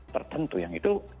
tertentu yang itu